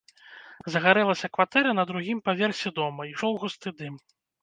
Загарэлася кватэра на другім паверсе дома, ішоў густы дым.